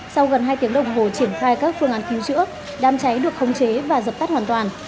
sau gần hai tiếng đồng hồ triển khai các phương án cứu chữa đám cháy được khống chế và dập tắt hoàn toàn